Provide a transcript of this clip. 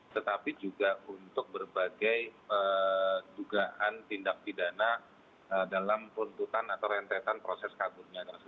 tetapi juga untuk berbagai dugaan tindak pidana dalam tuntutan atau rentetan proses kaburnya